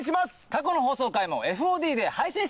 過去の放送回もＦＯＤで配信してます。